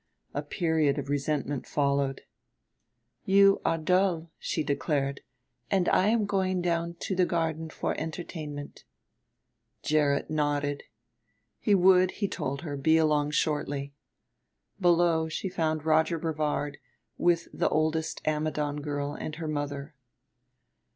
A period of resentment followed. "You are dull," she declared, "and I am going down to the garden for entertainment." Gerrit nodded. He would, he told her, be along shortly. Below she found Roger Brevard, with the oldest Ammidon girl and her mother.